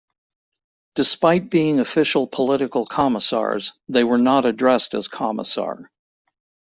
Despite being official political commissars, they were not addressed as "commissar".